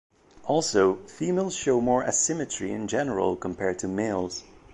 Also, females show more asymmetry in general compared to males.